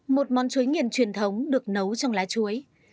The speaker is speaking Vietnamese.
một món chuối nghiền truyền thống được nấu trong lá chuối